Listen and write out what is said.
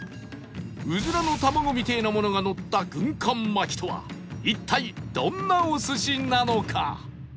うずらの卵みてえなものがのった軍艦巻きとは一体どんなお寿司なのか？